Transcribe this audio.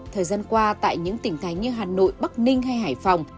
thời gian qua tại những tỉnh thành như hà nội bắc ninh hay hải phòng